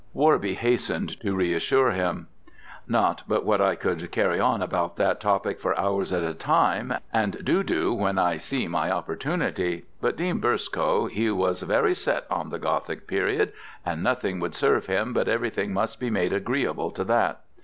Worby hastened to reassure him, "Not but what I could carry on about that topic for hours at a time, and do do when I see my opportunity. But Dean Burscough he was very set on the Gothic period, and nothing would serve him but everything must be made agreeable to that.